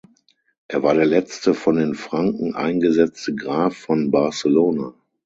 Er war der letzte von den Franken eingesetzte Graf von Barcelona.